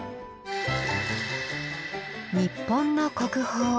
日本の国宝。